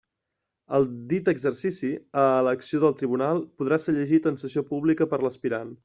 El dit exercici, a elecció del tribunal, podrà ser llegit en sessió pública per l'aspirant.